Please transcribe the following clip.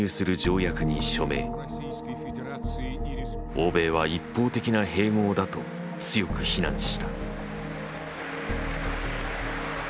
欧米は一方的な併合だと強く非難した。